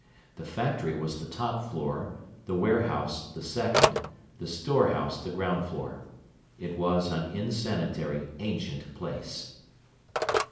The factory was the top floor, the warehouse the second, the storehouse the ground floor. It was an insanitary, ancient place.